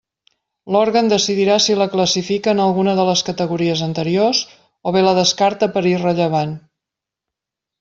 L'òrgan decidirà si la classifica en alguna de les categories anteriors, o bé la descarta per irrellevant.